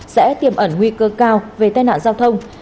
sẽ tiềm ẩn nguy cơ cao về tai nạn giao thông